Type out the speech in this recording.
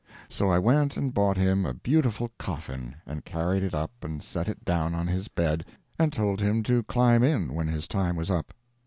So I went and bought him a beautiful coffin, and carried it up and set it down on his bed, and told him to climb in when his time was up.